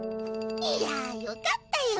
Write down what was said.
いやよかったよ。